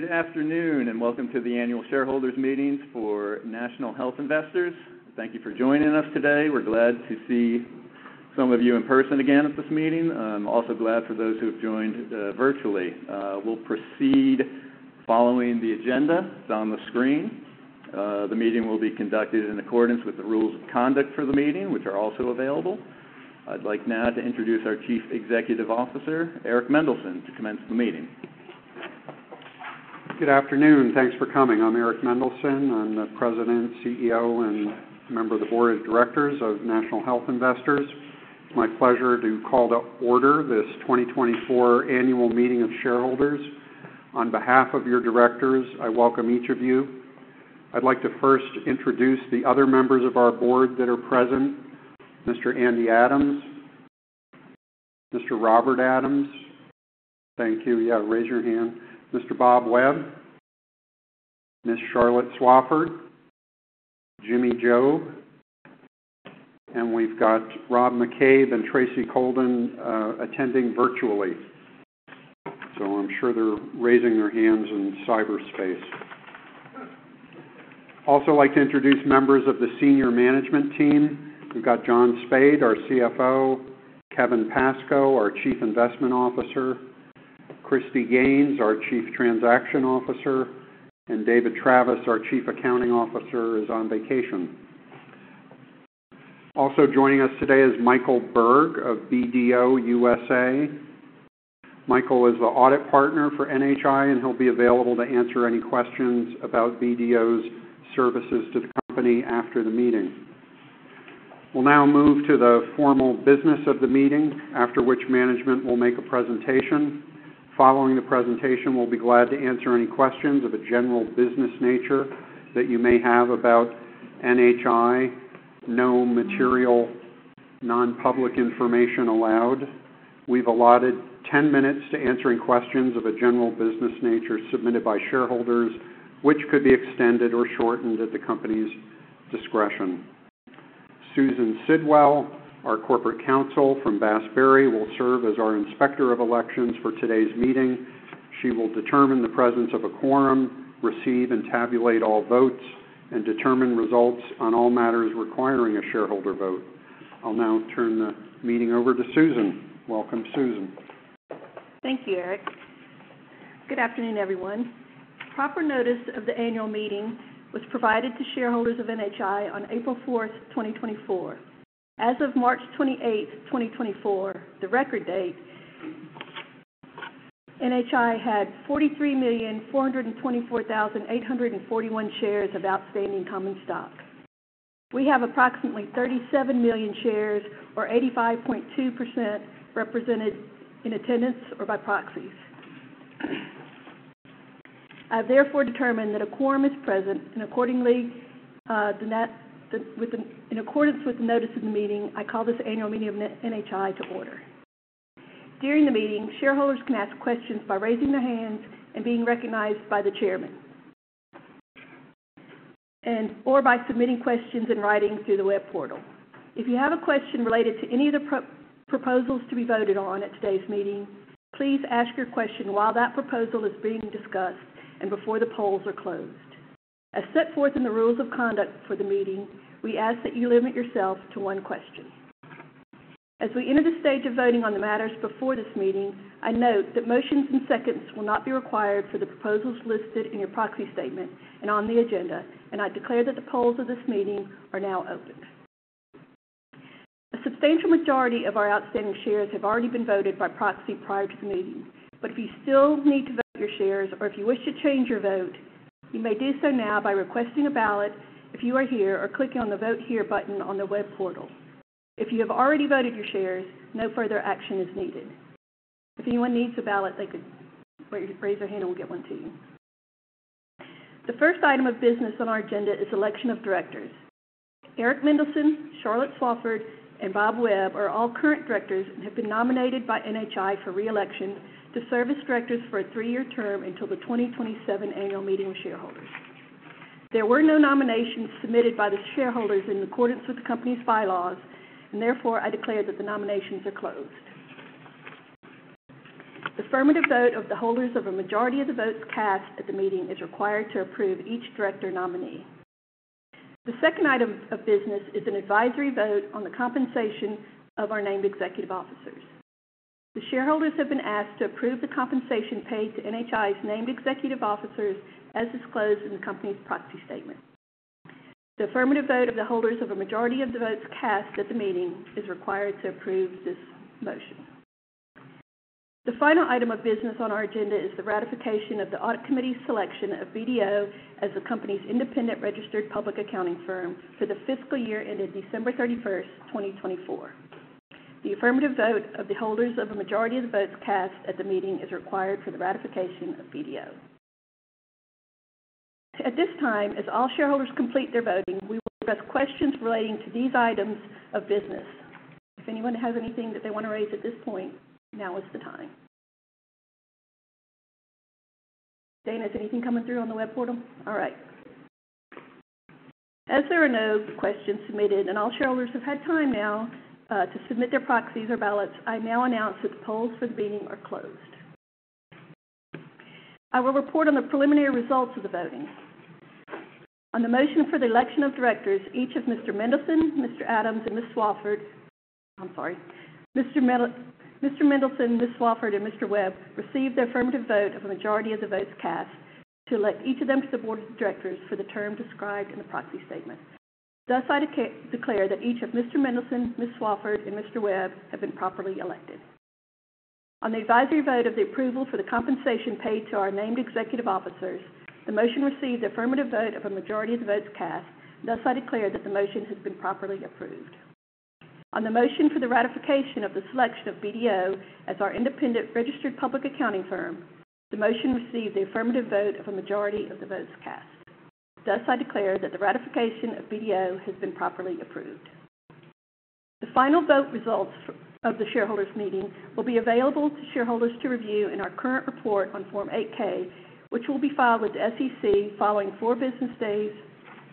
Good afternoon, and welcome to the Annual Shareholders Meetings for National Health Investors. Thank you for joining us today. We're glad to see some of you in person again at this meeting. I'm also glad for those who have joined, virtually. We'll proceed following the agenda that's on the screen. The meeting will be conducted in accordance with the rules of conduct for the meeting, which are also available. I'd like now to introduce our Chief Executive Officer, Eric Mendelsohn, to commence the meeting. Good afternoon. Thanks for coming. I'm Eric Mendelsohn. I'm the President, CEO, and member of the Board of Directors of National Health Investors. It's my pleasure to call to order this 2024 Annual Meeting of Shareholders. On behalf of your directors, I welcome each of you. I'd like to first introduce the other members of our board that are present: Mr. Andy Adams, Mr. Robert Adams. Thank you. Yeah, raise your hand. Mr. Bob Webb, Ms. Charlotte Swafford, James Jouse, and we've got Rob McCabe and Tracy Colden attending virtually. So I'm sure they're raising their hands in cyberspace. I'd also like to introduce members of the senior management team. We've got John Spaid, our CFO, Kevin Pascoe, our Chief Investment Officer, Kristin Gaines, our Chief Transaction Officer, and David Travis, our Chief Accounting Officer, is on vacation. Also joining us today is Michael Berg of BDO USA. Michael is the audit partner for NHI, and he'll be available to answer any questions about BDO's services to the company after the meeting. We'll now move to the formal business of the meeting, after which management will make a presentation. Following the presentation, we'll be glad to answer any questions of a general business nature that you may have about NHI. No material, non-public information allowed. We've allotted 10 minutes to answering questions of a general business nature submitted by shareholders, which could be extended or shortened at the company's discretion. Susan Sidwell, our Corporate Counsel from Bass, Berry & Sims, will serve as our Inspector of Elections for today's meeting. She will determine the presence of a quorum, receive and tabulate all votes, and determine results on all matters requiring a shareholder vote. I'll now turn the meeting over to Susan. Welcome, Susan. Thank you, Eric. Good afternoon, everyone. Proper notice of the annual meeting was provided to shareholders of NHI on April 4, 2024. As of March 28, 2024, the record date, NHI had 43,424,841 shares of outstanding common stock. We have approximately 37 million shares, or 85.2%, represented in attendance or by proxies. I've therefore determined that a quorum is present, and accordingly, in accordance with the notice of the meeting, I call this annual meeting of NHI to order. During the meeting, shareholders can ask questions by raising their hands and being recognized by the chairman, and or by submitting questions in writing through the web portal. If you have a question related to any of the proposals to be voted on at today's meeting, please ask your question while that proposal is being discussed and before the polls are closed. As set forth in the rules of conduct for the meeting, we ask that you limit yourself to one question. As we enter the stage of voting on the matters before this meeting, I note that motions and seconds will not be required for the proposals listed in your proxy statement and on the agenda, and I declare that the polls of this meeting are now open. A substantial majority of our outstanding shares have already been voted by proxy prior to the meeting. But if you still need to vote your shares, or if you wish to change your vote, you may do so now by requesting a ballot if you are here, or clicking on the Vote Here button on the web portal. If you have already voted your shares, no further action is needed. If anyone needs a ballot, they could raise their hand, and we'll get one to you. The first item of business on our agenda is election of directors. Eric Mendelsohn, Charlotte Swafford, and Bob Webb are all current directors and have been nominated by NHI for re-election to serve as directors for a three-year term until the 2027 annual meeting of shareholders. There were no nominations submitted by the shareholders in accordance with the company's bylaws, and therefore, I declare that the nominations are closed. The affirmative vote of the holders of a majority of the votes cast at the meeting is required to approve each director nominee. The second item of business is an advisory vote on the compensation of our named executive officers. The shareholders have been asked to approve the compensation paid to NHI's named executive officers, as disclosed in the company's proxy statement. The affirmative vote of the holders of a majority of the votes cast at the meeting is required to approve this motion. The final item of business on our agenda is the ratification of the Audit Committee's selection of BDO as the company's independent registered public accounting firm for the fiscal year ended December 31, 2024. The affirmative vote of the holders of a majority of the votes cast at the meeting is required for the ratification of BDO. At this time, as all shareholders complete their voting, we will address questions relating to these items of business. If anyone has anything that they want to raise at this point, now is the time. Dana, is anything coming through on the web portal? All right. As there are no questions submitted and all shareholders have had time now to submit their proxies or ballots, I now announce that the polls for the meeting are closed. I will report on the preliminary results of the voting. On the motion for the election of directors, each of Mr. Mendelsohn, Mr. Adams, and Ms. Swafford. I'm sorry, Mr. Mendelsohn, Ms. Swafford, and Mr. Webb received the affirmative vote of a majority of the votes cast to elect each of them to the board of directors for the term described in the proxy statement. Thus, I declare that each of Mr. Mendelsohn, Ms. Swafford, and Mr. Webb have been properly elected. On the advisory vote of the approval for the compensation paid to our named executive officers, the motion received affirmative vote of a majority of the votes cast. Thus, I declare that the motion has been properly approved. On the motion for the ratification of the selection of BDO as our independent registered public accounting firm, the motion received the affirmative vote of a majority of the votes cast. Thus, I declare that the ratification of BDO has been properly approved. The final vote results of the shareholders' meeting will be available to shareholders to review in our current report on Form 8-K, which will be filed with the SEC following four business days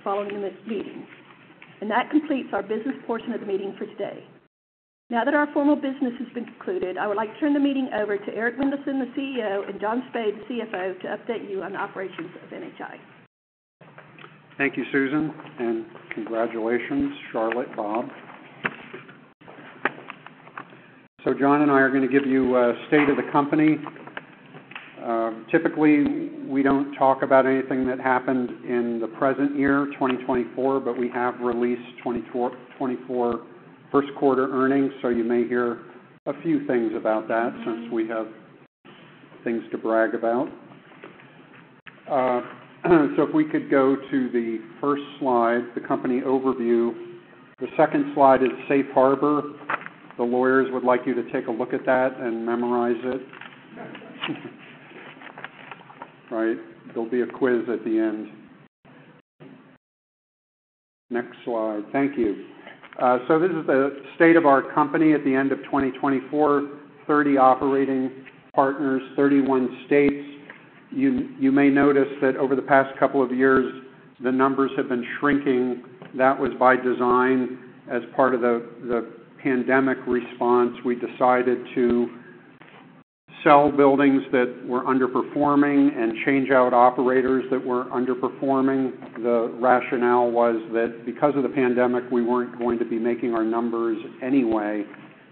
following the next meeting. That completes our business portion of the meeting for today. Now that our formal business has been concluded, I would like to turn the meeting over to Eric Mendelsohn, the CEO, and John Spaid, the CFO, to update you on the operations of NHI. Thank you, Susan, and congratulations, Charlotte, Bob. So John and I are going to give you a state of the company. Typically, we don't talk about anything that happened in the present year, 2024, but we have released 2024 first quarter earnings, so you may hear a few things about that since we have things to brag about. So if we could go to the first slide, the company overview. The second slide is Safe Harbor. The lawyers would like you to take a look at that and memorize it. Right. There'll be a quiz at the end. Next slide. Thank you. So this is the state of our company at the end of 2024, 30 operating partners, 31 states. You may notice that over the past couple of years, the numbers have been shrinking. That was by design. As part of the pandemic response, we decided to sell buildings that were underperforming and change out operators that were underperforming. The rationale was that because of the pandemic, we weren't going to be making our numbers anyway,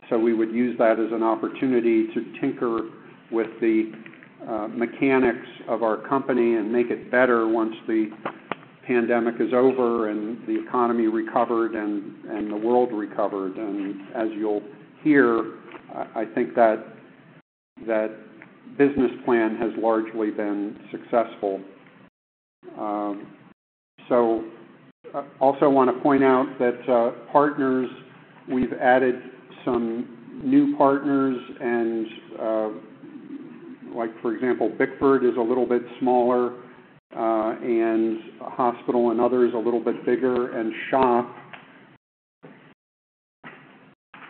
so we would use that as an opportunity to tinker with the mechanics of our company and make it better once the pandemic is over, and the economy recovered and the world recovered. And as you'll hear, I think that business plan has largely been successful. So I also want to point out that, partners, we've added some new partners and, like, for example, Bickford is a little bit smaller, and Holiday and others, a little bit bigger. And SHOP,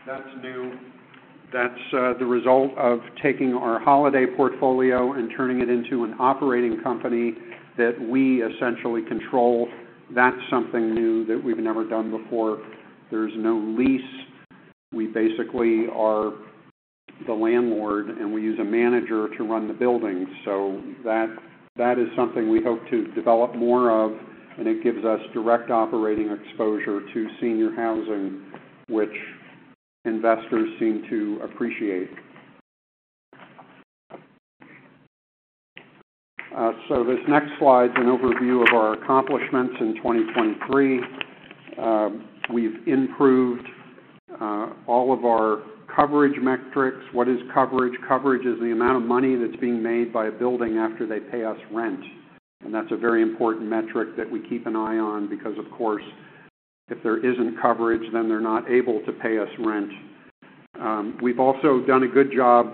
that's new. That's the result of taking our Holiday portfolio and turning it into an operating company that we essentially control. That's something new that we've never done before. There's no lease. We basically are the landlord, and we use a manager to run the building. So that, that is something we hope to develop more of, and it gives us direct operating exposure to senior housing, which investors seem to appreciate. So this next slide is an overview of our accomplishments in 2023. We've improved all of our coverage metrics. What is coverage? Coverage is the amount of money that's being made by a building after they pay us rent, and that's a very important metric that we keep an eye on because, of course, if there isn't coverage, then they're not able to pay us rent. We've also done a good job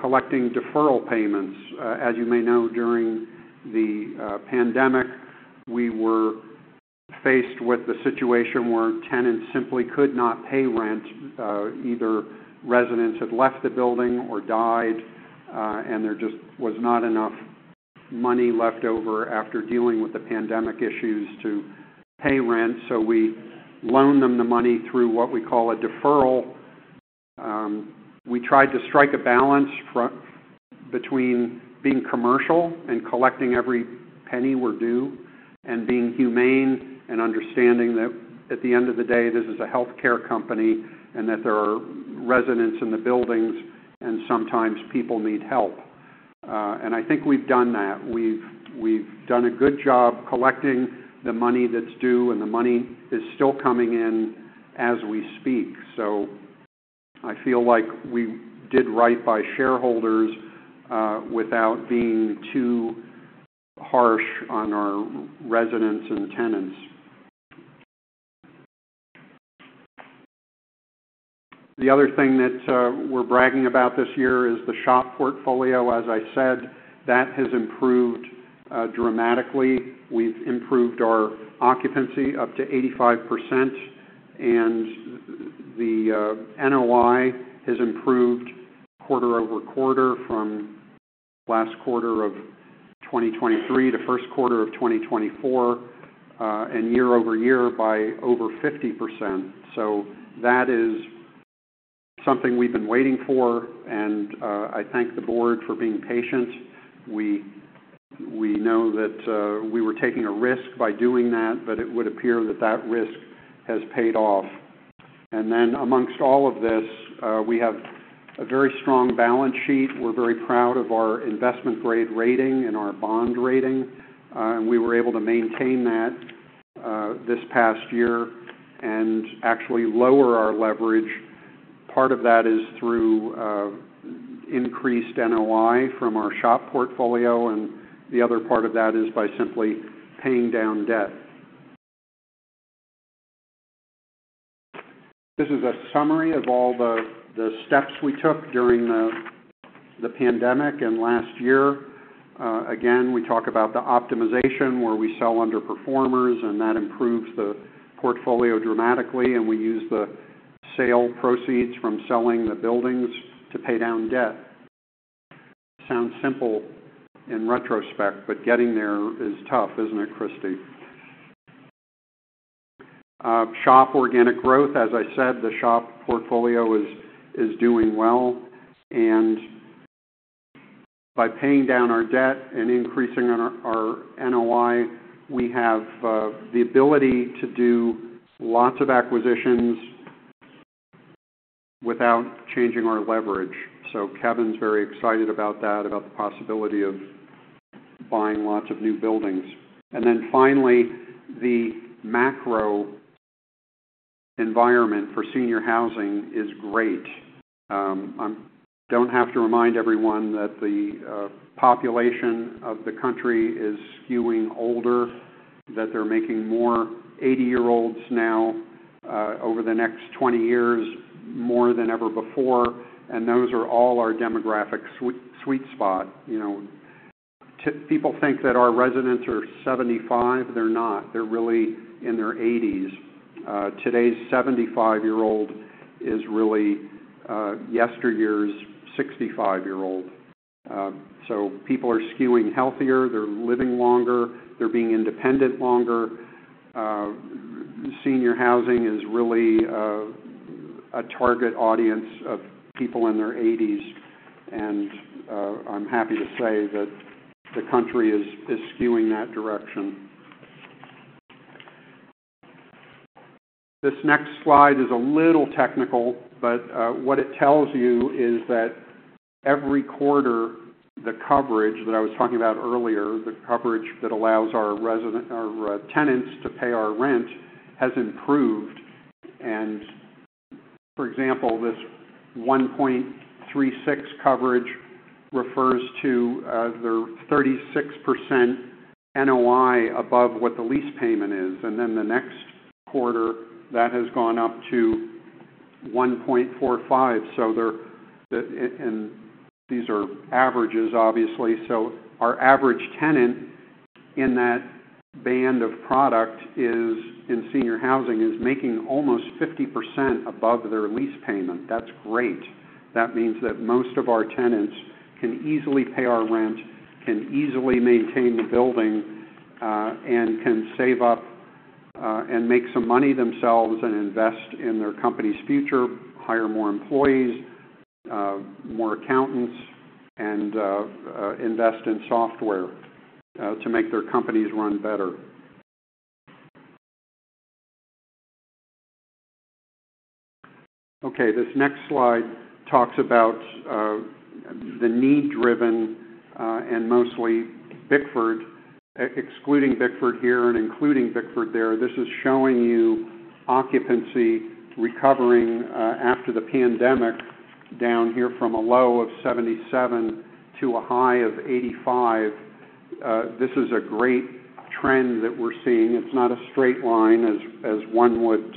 collecting deferral payments. As you may know, during the pandemic, we were faced with the situation where tenants simply could not pay rent. Either residents had left the building or died, and there just was not enough money left over after dealing with the pandemic issues to pay rent, so we loaned them the money through what we call a deferral. We tried to strike a balance between being commercial and collecting every penny we're due, and being humane and understanding that at the end of the day, this is a healthcare company and that there are residents in the buildings, and sometimes people need help. And I think we've done that. We've done a good job collecting the money that's due, and the money is still coming in as we speak. So I feel like we did right by shareholders without being too harsh on our residents and tenants. The other thing that we're bragging about this year is the SHOP portfolio. As I said, that has improved dramatically. We've improved our occupancy up to 85%, and the NOI has improved quarter-over-quarter from last quarter of 2023 to first quarter of 2024, and year-over-year by over 50%. So that is something we've been waiting for, and I thank the board for being patient. We know that we were taking a risk by doing that, but it would appear that that risk has paid off. And then amongst all of this, we have a very strong balance sheet. We're very proud of our investment grade rating and our bond rating, and we were able to maintain that this past year and actually lower our leverage. Part of that is through increased NOI from our SHOP portfolio, and the other part of that is by simply paying down debt. This is a summary of all the steps we took during the pandemic and last year. Again, we talk about the optimization, where we sell underperformers, and that improves the portfolio dramatically, and we use the sale proceeds from selling the buildings to pay down debt. Sounds simple in retrospect, but getting there is tough, isn't it, Kristy? SHOP organic growth, as I said, the SHOP portfolio is doing well, and by paying down our debt and increasing our NOI, we have the ability to do lots of acquisitions without changing our leverage. So Kevin's very excited about that, about the possibility of buying lots of new buildings. And then finally, the macro environment for senior housing is great. I don't have to remind everyone that the population of the country is skewing older, that they're making more 80-year-olds now, over the next 20 years, more than ever before, and those are all our demographic sweet spot. You know, people think that our residents are 75. They're not. They're really in their 80s. Today's 75-year-old is really yesteryear's 65-year-old. So people are skewing healthier. They're living longer. They're being independent longer. Senior housing is really a target audience of people in their eighties, and I'm happy to say that the country is skewing that direction. This next slide is a little technical, but what it tells you is that every quarter, the coverage that I was talking about earlier, the coverage that allows our tenants to pay our rent, has improved. And for example, this 1.36 coverage refers to the 36% NOI above what the lease payment is. And then the next quarter, that has gone up to 1.45. So there, and these are averages, obviously. So our average tenant in that band of product is, in senior housing, making almost 50% above their lease payment. That's great. That means that most of our tenants can easily pay our rent, can easily maintain the building, and can save up, and make some money themselves and invest in their company's future, hire more employees, more accountants, and, invest in software, to make their companies run better. Okay, this next slide talks about, the need-driven, and mostly Bickford, excluding Bickford here and including Bickford there. This is showing you occupancy recovering, after the pandemic down here from a low of 77 to a high of 85. This is a great trend that we're seeing. It's not a straight line, as, as one would,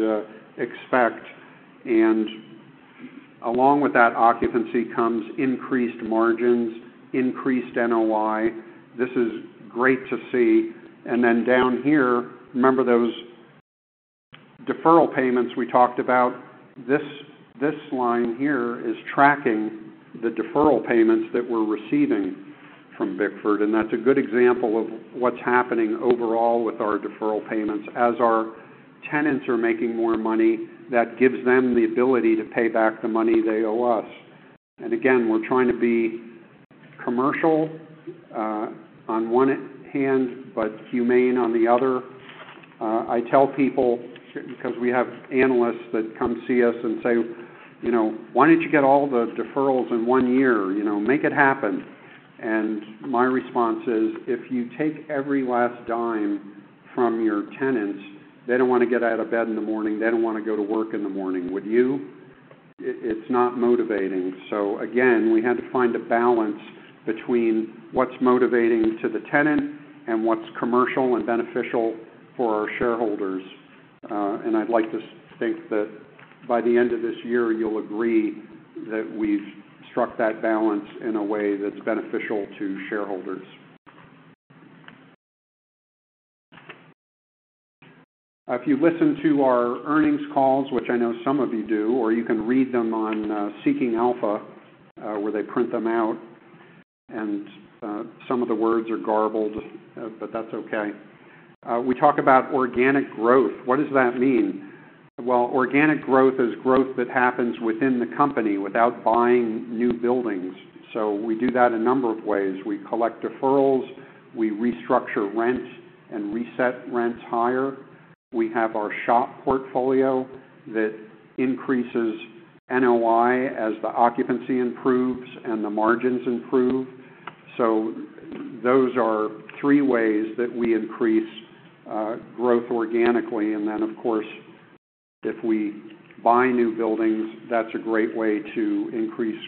expect, and along with that occupancy comes increased margins, increased NOI. This is great to see. And then down here, remember those deferral payments we talked about? This, this line here is tracking the deferral payments that we're receiving from Bickford, and that's a good example of what's happening overall with our deferral payments. As our tenants are making more money, that gives them the ability to pay back the money they owe us. And again, we're trying to be commercial, on one hand, but humane on the other. I tell people, because we have analysts that come see us and say, "You know, why don't you get all the deferrals in one year? You know, make it happen." And my response is, if you take every last dime from your tenants, they don't want to get out of bed in the morning. They don't want to go to work in the morning. Would you? It, it's not motivating. So again, we had to find a balance between what's motivating to the tenant and what's commercial and beneficial for our shareholders. And I'd like to think that by the end of this year, you'll agree that we've struck that balance in a way that's beneficial to shareholders. If you listen to our earnings calls, which I know some of you do, or you can read them on Seeking Alpha, where they print them out, and some of the words are garbled, but that's okay. We talk about organic growth. What does that mean? Well, organic growth is growth that happens within the company without buying new buildings. So we do that a number of ways. We collect deferrals, we restructure rents, and reset rents higher. We have our SHOP portfolio that increases NOI as the occupancy improves and the margins improve. So those are three ways that we increase growth organically, and then, of course, if we buy new buildings, that's a great way to increase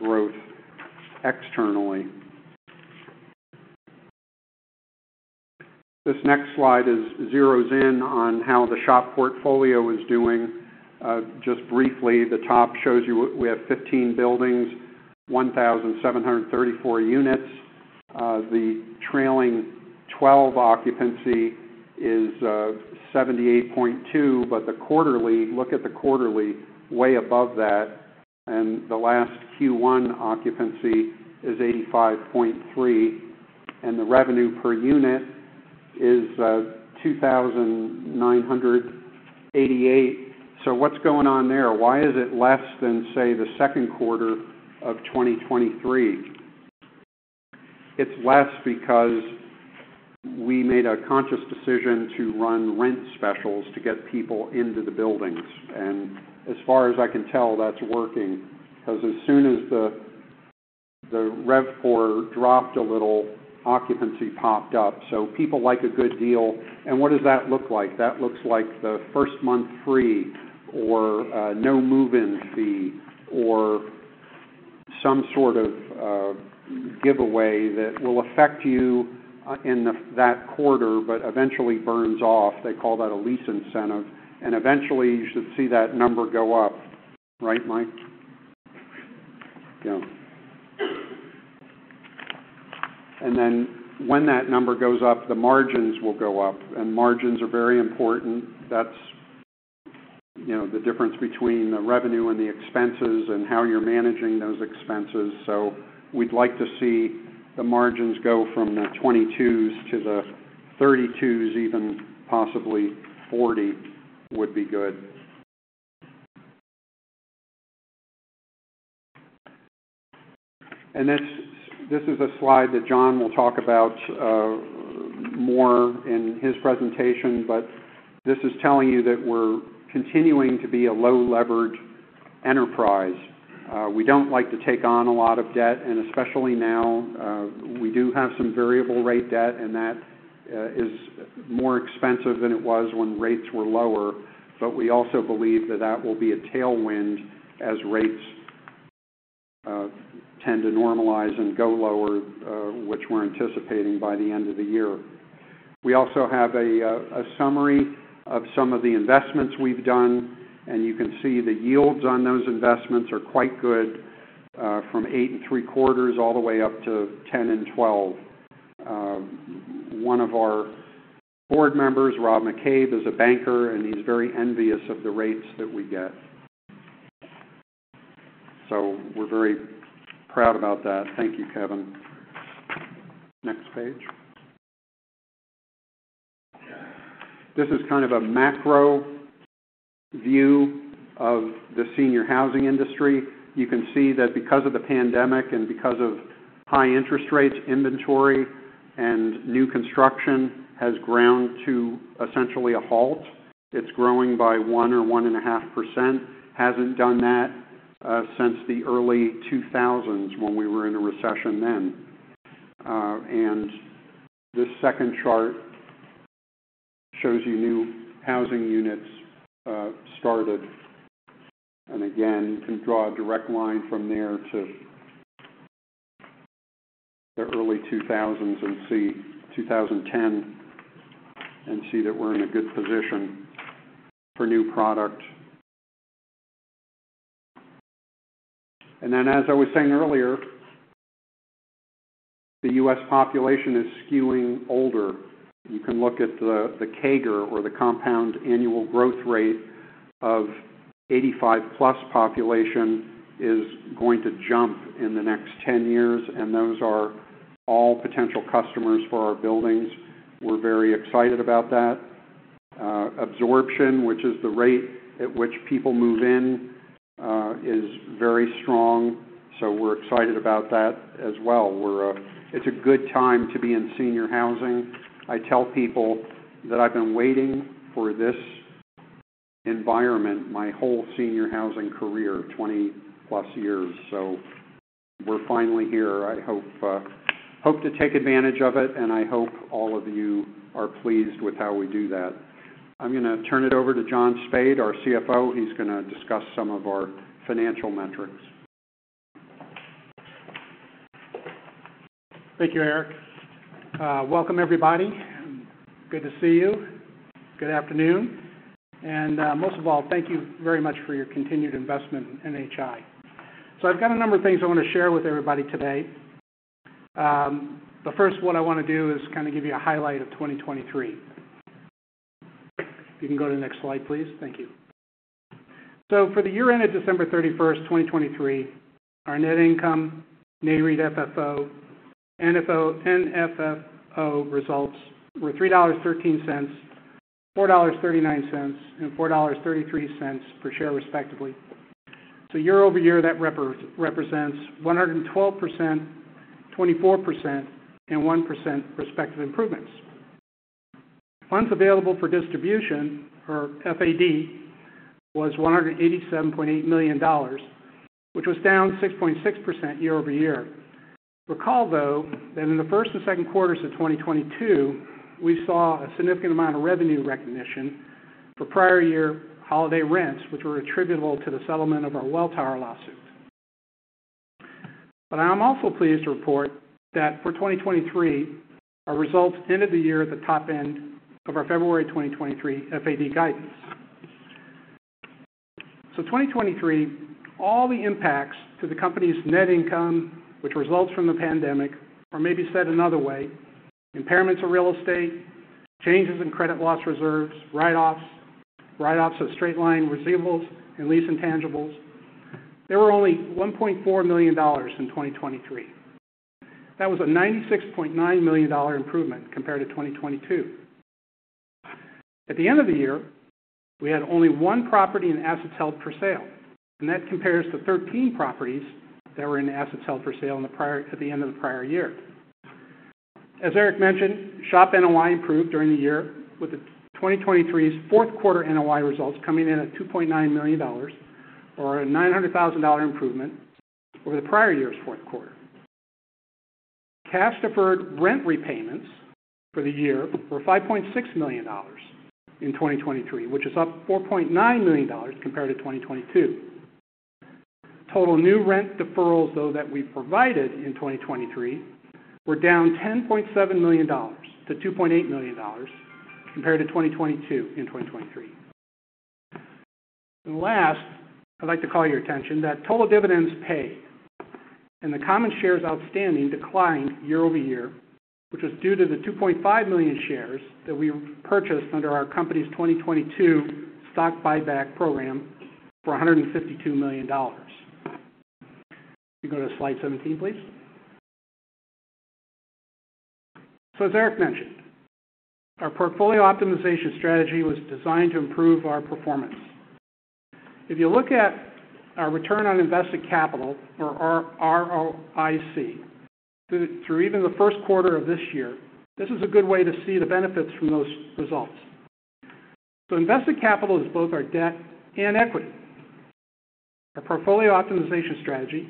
growth externally. This next slide zeros in on how the SHOP portfolio is doing. Just briefly, the top shows you we have 15 buildings, 1,734 units. The trailing twelve occupancy is 78.2%, but the quarterly, look at the quarterly, way above that, and the last Q1 occupancy is 85.3%, and the revenue per unit is 2,988. So what's going on there? Why is it less than, say, the second quarter of 2023? It's less because we made a conscious decision to run rent specials to get people into the buildings. As far as I can tell, that's working, 'cause as soon as the RevPOR dropped a little, occupancy popped up. So people like a good deal. And what does that look like? That looks like the first month free, or no move-in fee, or some sort of giveaway that will affect you in that quarter, but eventually burns off. They call that a lease incentive. And eventually, you should see that number go up. Right, Mike? Yeah. And then when that number goes up, the margins will go up, and margins are very important. That's, you know, the difference between the revenue and the expenses and how you're managing those expenses. So we'd like to see the margins go from the 20s to the 30s, even possibly 40 would be good. This, this is a slide that John will talk about more in his presentation, but this is telling you that we're continuing to be a low-leveraged enterprise. We don't like to take on a lot of debt, and especially now, we do have some variable rate debt, and that is more expensive than it was when rates were lower. But we also believe that that will be a tailwind as rates tend to normalize and go lower, which we're anticipating by the end of the year. We also have a summary of some of the investments we've done, and you can see the yields on those investments are quite good, from 8.75 all the way up to 10 and 12. One of our board members, Rob McCabe, is a banker, and he's very envious of the rates that we get. So we're very proud about that. Thank you, Kevin. Next page. This is kind of a macro view of the senior housing industry. You can see that because of the pandemic and because of high interest rates, inventory, and new construction has ground to essentially a halt. It's growing by 1 or 1.5%. Hasn't done that since the early 2000s, when we were in a recession then. And this second chart shows you new housing units started. And again, you can draw a direct line from there to the early 2000s and see 2010, and see that we're in a good position for new product. And then, as I was saying earlier, the U.S. population is skewing older. You can look at the CAGR, or the compound annual growth rate, of 85+ population is going to jump in the next 10 years, and those are all potential customers for our buildings. We're very excited about that. Absorption, which is the rate at which people move in, is very strong, so we're excited about that as well. It's a good time to be in senior housing. I tell people that I've been waiting for this environment my whole senior housing career, 20+ years, so we're finally here. I hope to take advantage of it, and I hope all of you are pleased with how we do that. I'm gonna turn it over to John Spaid, our CFO. He's gonna discuss some of our financial metrics. Thank you, Eric. Welcome, everybody. Good to see you. Good afternoon, and most of all, thank you very much for your continued investment in NHI. So I've got a number of things I want to share with everybody today.... But first, what I want to do is kind of give you a highlight of 2023. You can go to the next slide, please. Thank you. So for the year ended December 31, 2023, our net income, NAREIT FFO, NFFO results were $3.13, $4.39, and $4.33 per share, respectively. So year over year, that represents 112%, 24%, and 1% respective improvements. Funds available for distribution, or FAD, was $187.8 million, which was down 6.6% year over year. Recall, though, that in the first and second quarters of 2022, we saw a significant amount of revenue recognition for prior year holiday rents, which were attributable to the settlement of our Welltower lawsuit. But I'm also pleased to report that for 2023, our results ended the year at the top end of our February 2023 FAD guidance. So 2023, all the impacts to the company's net income, which results from the pandemic, or maybe said another way, impairments of real estate, changes in credit loss reserves, write-offs, write-offs of straight-line receivables and lease intangibles, they were only $1.4 million in 2023. That was a $96.9 million improvement compared to 2022. At the end of the year, we had only one property in assets held for sale, and that compares to 13 properties that were in assets held for sale at the end of the prior year. As Eric mentioned, SHOP NOI improved during the year, with the 2023's fourth quarter NOI results coming in at $2.9 million or a $900,000 improvement over the prior year's fourth quarter. Cash deferred rent repayments for the year were $5.6 million in 2023, which is up $4.9 million compared to 2022. Total new rent deferrals, though, that we provided in 2023 were down $10.7 million to $2.8 million compared to 2022 and 2023. And last, I'd like to call your attention that total dividends paid and the common shares outstanding declined year-over-year, which was due to the 2.5 million shares that we purchased under our company's 2022 stock buyback program for $152 million. You can go to slide 17, please. So as Eric mentioned, our portfolio optimization strategy was designed to improve our performance. If you look at our return on invested capital, or our ROIC, through even the first quarter of this year, this is a good way to see the benefits from those results. So invested capital is both our debt and equity. Our portfolio optimization strategy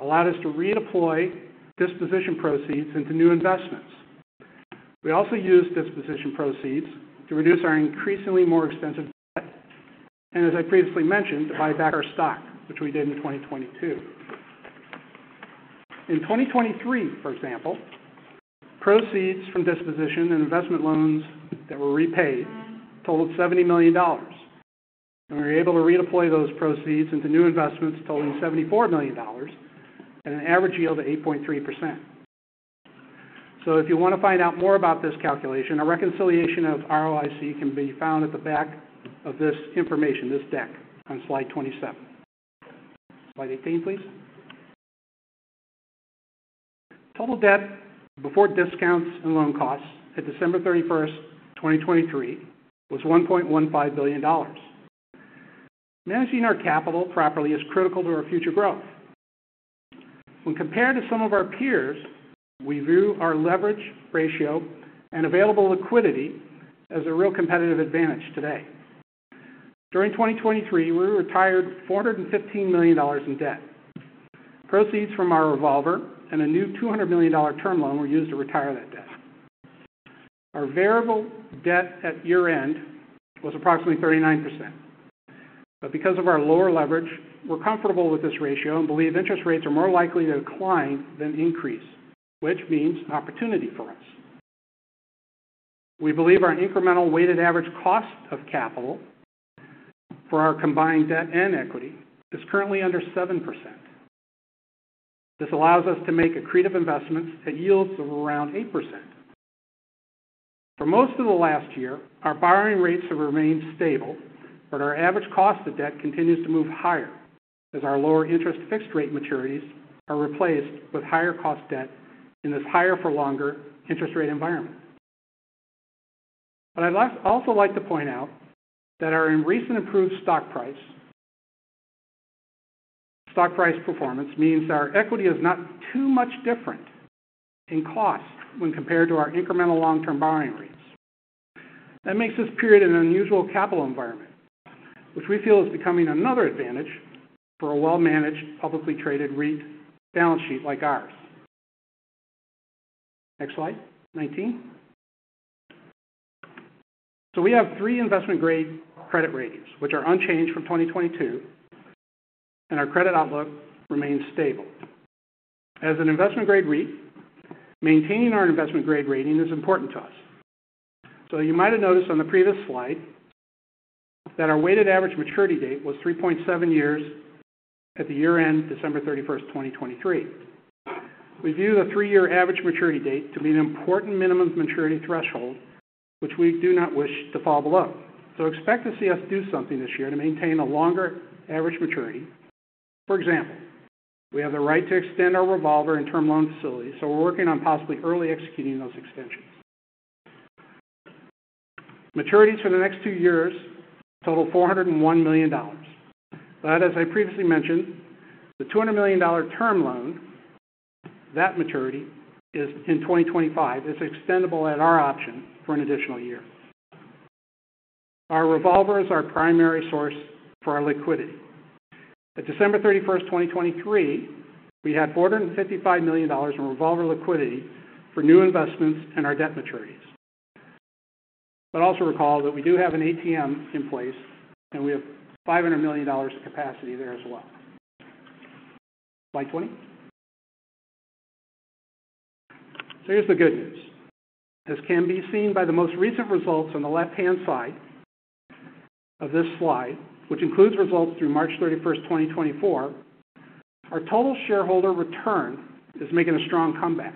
allowed us to redeploy disposition proceeds into new investments. We also used disposition proceeds to reduce our increasingly more expensive debt, and as I previously mentioned, to buy back our stock, which we did in 2022. In 2023, for example, proceeds from disposition and investment loans that were repaid totaled $70 million, and we were able to redeploy those proceeds into new investments totaling $74 million at an average yield of 8.3%. So if you want to find out more about this calculation, a reconciliation of ROIC can be found at the back of this information, this deck, on slide 27. Slide 18, please. Total debt before discounts and loan costs at December 31, 2023, was $1.15 billion. Managing our capital properly is critical to our future growth. When compared to some of our peers, we view our leverage ratio and available liquidity as a real competitive advantage today. During 2023, we retired $415 million in debt. Proceeds from our revolver and a new $200 million-dollar term loan were used to retire that debt. Our variable debt at year-end was approximately 39%, but because of our lower leverage, we're comfortable with this ratio and believe interest rates are more likely to decline than increase, which means an opportunity for us. We believe our incremental weighted average cost of capital for our combined debt and equity is currently under 7%. This allows us to make accretive investments that yields around 8%. For most of the last year, our borrowing rates have remained stable, but our average cost of debt continues to move higher as our lower interest fixed rate maturities are replaced with higher cost debt in this higher for longer interest rate environment. But I'd also like to point out that our recent improved stock price, stock price performance means our equity is not too much different in cost when compared to our incremental long-term borrowing rates. That makes this period an unusual capital environment, which we feel is becoming another advantage for a well-managed, publicly traded REIT balance sheet like ours. Next slide, 19. So we have three investment-grade credit ratings, which are unchanged from 2022, and our credit outlook remains stable. As an investment-grade REIT, maintaining our investment-grade rating is important to us. So you might have noticed on the previous slide... That our weighted average maturity date was 3.7 years at the year-end, December 31, 2023. We view the 3-year average maturity date to be an important minimum maturity threshold, which we do not wish to follow up. So expect to see us do something this year to maintain a longer average maturity. For example, we have the right to extend our revolver and term loan facility, so we're working on possibly early executing those extensions. Maturities for the next 2 years total $401 million. But as I previously mentioned, the $200 million term loan, that maturity is in 2025. It's extendable at our option for an additional year. Our revolver is our primary source for our liquidity. At December 31, 2023, we had $455 million in revolver liquidity for new investments and our debt maturities. But also recall that we do have an ATM in place, and we have $500 million of capacity there as well. Slide 20. So here's the good news. As can be seen by the most recent results on the left-hand side of this slide, which includes results through March 31, 2024, our total shareholder return is making a strong comeback.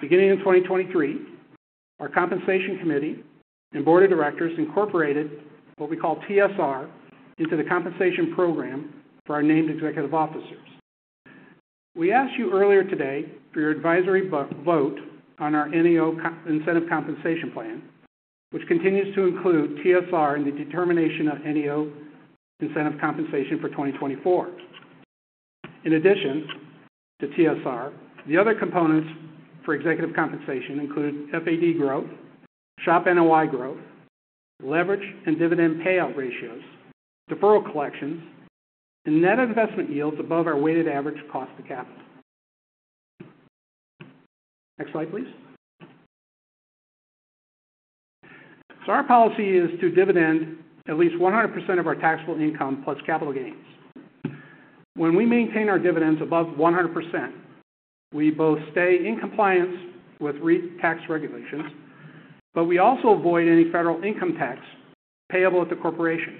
Beginning in 2023, our compensation committee and board of directors incorporated what we call TSR into the compensation program for our named executive officers. We asked you earlier today for your advisory vote on our NEO Incentive Compensation Plan, which continues to include TSR in the determination of NEO incentive compensation for 2024. In addition to TSR, the other components for executive compensation include FAD growth, SHOP NOI growth, leverage and dividend payout ratios, deferral collections, and net investment yields above our weighted average cost of capital. Next slide, please. So our policy is to dividend at least 100% of our taxable income plus capital gains. When we maintain our dividends above 100%, we both stay in compliance with REIT tax regulations, but we also avoid any federal income tax payable at the corporation.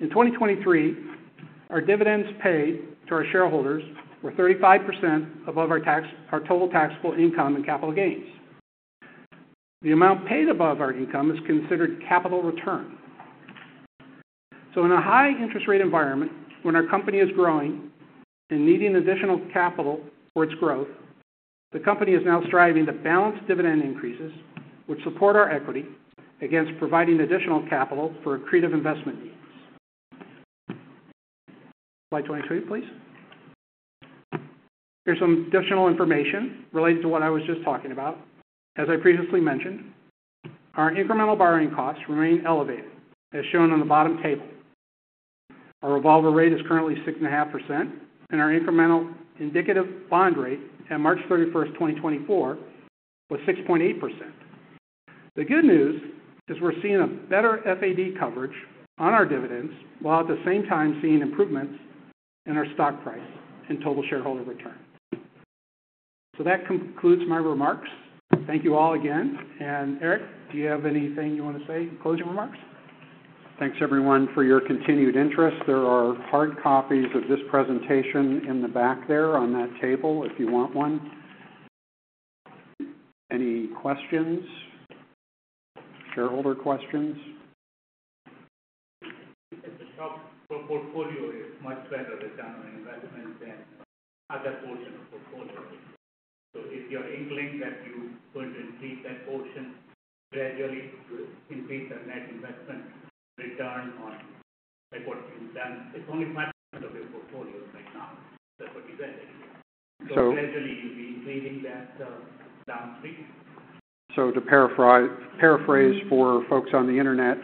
In 2023, our dividends paid to our shareholders were 35% above our total taxable income and capital gains. The amount paid above our income is considered capital return. So in a high interest rate environment, when our company is growing and needing additional capital for its growth, the company is now striving to balance dividend increases, which support our equity against providing additional capital for accretive investment needs. Slide 23, please. Here's some additional information related to what I was just talking about. As I previously mentioned, our incremental borrowing costs remain elevated, as shown on the bottom table. Our revolver rate is currently 6.5%, and our incremental indicative bond rate at March 31, 2024, was 6.8%. The good news is we're seeing a better FAD coverage on our dividends, while at the same time seeing improvements in our stock price and total shareholder return. So that concludes my remarks. Thank you all again. And Eric, do you have anything you want to say in closing remarks? Thanks, everyone, for your continued interest. There are hard copies of this presentation in the back there on that table, if you want one. Any questions? Shareholder questions. The portfolio is much better return on investment than other portion of portfolio. So if you're thinking that you're going to increase that portion gradually to increase the net investment return on what you've done, it's only ten percent of your portfolio right now. That's what you said. Gradually, you'll be increasing that, downstream. So to paraphrase, paraphrase for folks on the internet,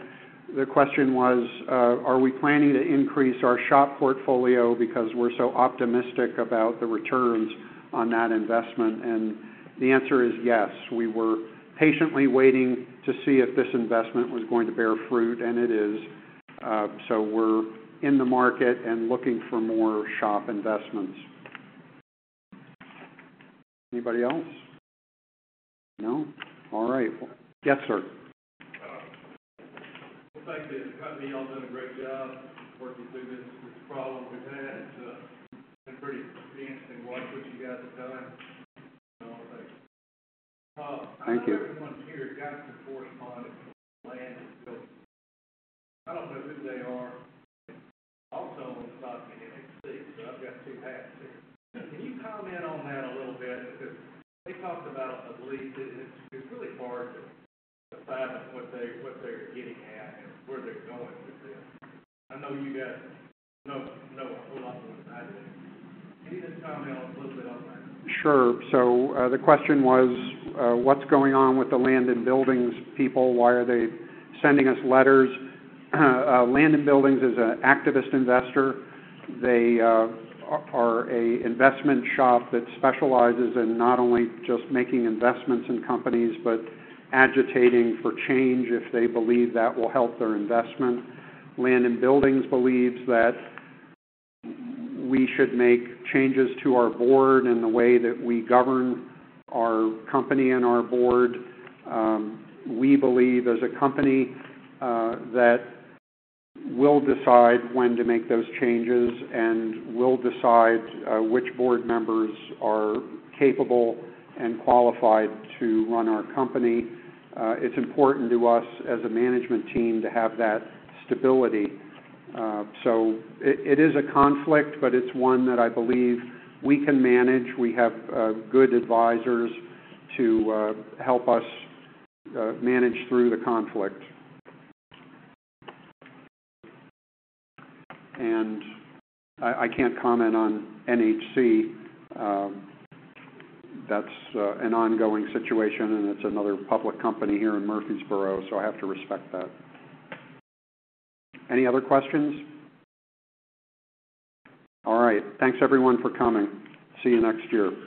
the question was, are we planning to increase our SHOP portfolio because we're so optimistic about the returns on that investment? And the answer is yes. We were patiently waiting to see if this investment was going to bear fruit, and it is. So we're in the market and looking for more SHOP investments. Anybody else? No. All right. Yes, sir. Looks like the company, y'all done a great job working through this problem we've had. It's been pretty interesting to watch what you guys have done. Thank you. Everyone here got the corresponding land. I don't know who they are. I'll tell them about the NHC, so I've got two hats here. Can you comment on that a little bit? Because they talked about a lease. It's really hard to decide what they're getting at and where they're going with this. I know you guys know a whole lot more than I do. Can you just comment a little bit on that? Sure. So, the question was, what's going on with the Land & Buildings people? Why are they sending us letters? Land & Buildings is an activist investor. They are a investment SHOP that specializes in not only just making investments in companies, but agitating for change if they believe that will help their investment. Land & Buildings believes that we should make changes to our board and the way that we govern our company and our board. We believe as a company that we'll decide when to make those changes and we'll decide which board members are capable and qualified to run our company. It's important to us as a management team to have that stability. So it is a conflict, but it's one that I believe we can manage. We have good advisors to help us manage through the conflict. And I can't comment on NHC. That's an ongoing situation, and it's another public company here in Murfreesboro, so I have to respect that. Any other questions? All right. Thanks, everyone, for coming. See you next year.